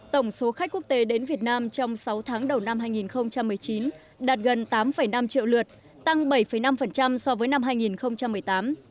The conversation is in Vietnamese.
tổng số khách quốc tế đến việt nam trong sáu tháng đầu năm hai nghìn một mươi chín đạt gần tám năm triệu lượt tăng bảy năm so với năm hai nghìn một mươi tám